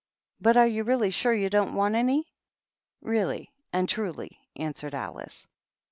But are you really sure you don' want any?" " Really and truly," answered Alice.